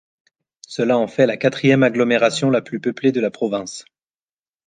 Cela en fait la quatrième agglomération la plus peuplée de la province.